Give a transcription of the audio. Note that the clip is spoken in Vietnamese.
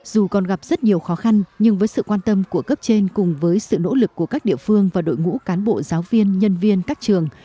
dù còn gặp rất nhiều khó khăn nhưng với sự quan tâm của cấp trên cùng với sự nỗ lực của các địa phương và đội ngũ cán bộ giáo viên nhân viên các trường